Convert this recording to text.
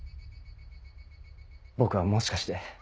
僕はもしかして。